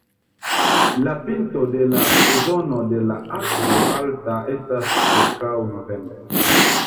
La pinto de la sezono de la akvo alta estas ĉirkaŭ novembro.